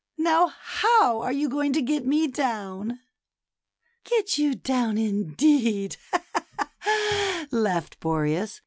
Now, how are you going to get me down?" " Get you down, indeed," laughed Boreas.